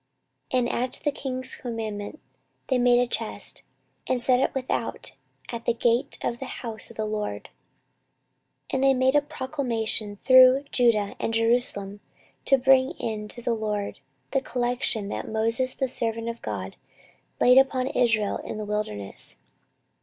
14:024:008 And at the king's commandment they made a chest, and set it without at the gate of the house of the LORD. 14:024:009 And they made a proclamation through Judah and Jerusalem, to bring in to the LORD the collection that Moses the servant of God laid upon Israel in the wilderness.